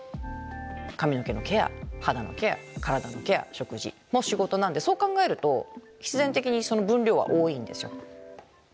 髪の毛のケア肌のケア体のケア食事も仕事なんでそう考えると必然的にその分量は多いんですよ。